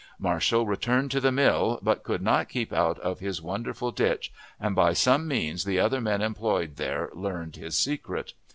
Marshall returned to the mill, but could not keep out of his wonderful ditch, and by some means the other men employed there learned his secret.